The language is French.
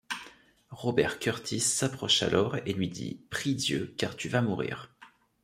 Robert Kurtis s’approche alors et lui dit :« Prie Dieu, car tu vas mourir !